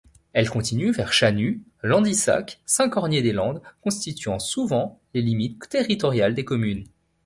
Elle continue vers Chanu, Landisacq, Saint-Cornier-des-Landes constituant souvent les limites territoriales des communes.